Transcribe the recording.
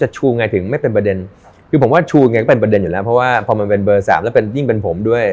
ชูยังไงก็เป็นประเด็นอยู่แล้วเพราะว่าพอมันเป็นเบอร์๓แล้วยิ่งเป็นผมด้วย